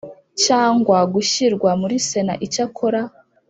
cyangwa gushyirwa muri Sena Icyakora